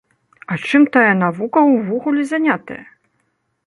А чым тая навука ўвогуле занятая?